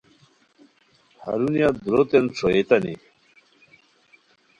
ہرونیہ دُوروتین ݰوئیتانی